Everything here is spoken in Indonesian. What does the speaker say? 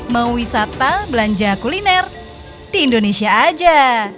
mau wisata belanja kuliner di indonesia aja